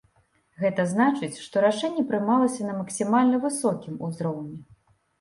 Гэта значыць, што рашэнне прымалася на максімальна высокім узроўні.